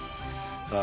さあ